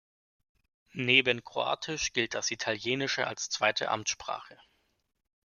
Neben Kroatisch gilt das Italienische als zweite Amtssprache.